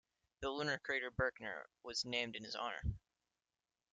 The lunar crater Berkner was named in his honor.